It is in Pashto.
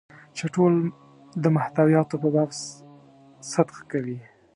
چې ټول د محتویاتو په باب صدق کوي.